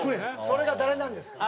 それが誰なんですか？